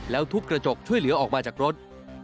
แล้วทุบกระจกช่วยเหลือออกมาจากรถ